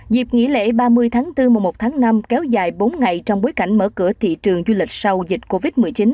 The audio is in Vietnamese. dịp nghỉ lễ ba mươi bốn một năm kéo dài bốn ngày trong bối cảnh mở cửa thị trường du lịch sau dịch covid một mươi chín